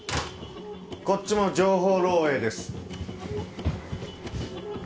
こっちも情報漏洩です。